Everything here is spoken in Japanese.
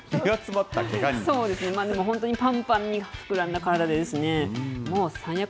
そうです、本当にぱんぱんに膨らんだ体ですね。